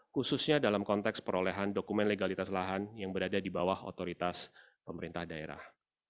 khususnya dalam konteks perolehan dokumen legalitas lahan yang berada di bawah otoritas pemerintah daerah